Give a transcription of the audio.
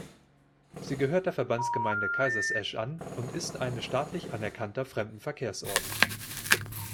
Sie gehört der Verbandsgemeinde Kaisersesch an und ist eine staatlich anerkannter Fremdenverkehrsort.